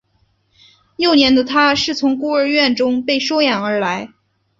年幼的他是从孤儿院中被收养而来。